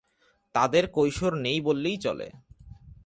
তাদের কৈশোর নেই বললেই চলে।